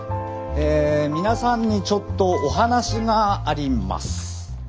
え皆さんにちょっとお話があります。